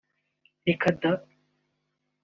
“Reka da